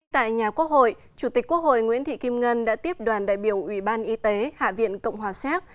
tại nhà quốc hội chủ tịch quốc hội nguyễn thị kim ngân đã tiếp đoàn đại biểu ủy ban y tế hạ viện cộng hòa séc